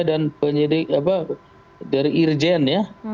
dan penyidik dari irjen ya